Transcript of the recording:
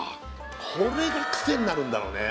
これがクセになるんだろうね